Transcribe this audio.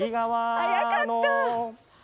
早かった。